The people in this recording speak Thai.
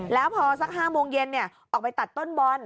แล้วพอสัก๕โมงเย็นออกไปตัดต้นบอล